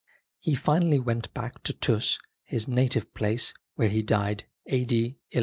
He finally went back to Tus, his native place, where he died, a.d. 1111.